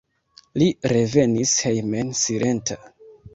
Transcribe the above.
Li revenis hejmen silenta.